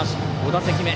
５打席目。